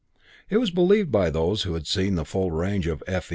It was believed by those who had seen the full range of "F.